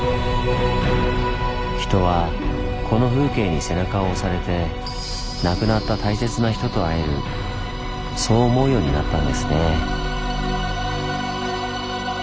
人はこの風景に背中を押されて亡くなった大切な人と会えるそう思うようになったんですね。